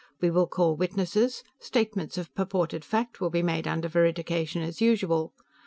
We will call witnesses; statements of purported fact will be made under veridication as usual.